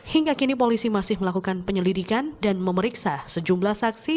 hingga kini polisi masih melakukan penyelidikan dan memeriksa sejumlah saksi